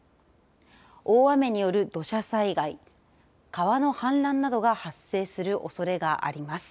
大雨による土砂災害、川の氾濫などが発生するおそれがあります。